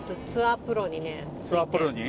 ツアープロに？